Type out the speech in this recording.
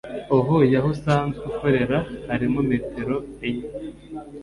uvuye aho asanzwe akorera harimo metero enye